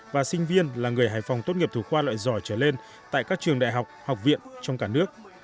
và sinh viên là người hải phòng tốt nghiệp thủ khoa loại giỏi trở lên tại các trường đại học học viện trong cả nước